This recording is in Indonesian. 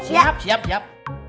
siap siap siap